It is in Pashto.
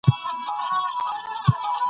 ټولنه د ټولو کور دی.